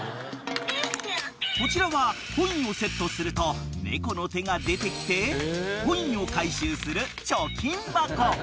［こちらはコインをセットすると猫の手が出てきてコインを回収する貯金箱］